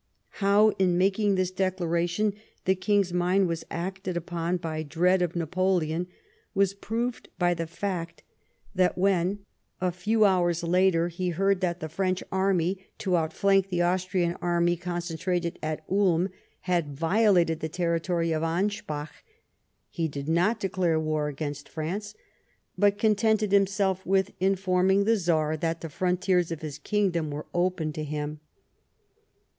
How, in making this declaration, the King's mind was acted upon by dread of Napoleon, was proved by the fact that when, a few 12 LIFE OF PBTNCE METTERNICE. hours later, he heard that the French army, to outflank the Austrian army concentrated at Uhn, had violated the territory of Anspach, he did not declare war against France, but contented himself with informing the Czar that the frontiers of his kingdom were open to him.